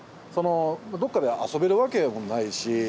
どっかで遊べるわけでもないし。